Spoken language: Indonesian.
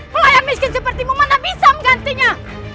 pelayan miskin seperti mu mana bisa menggantinya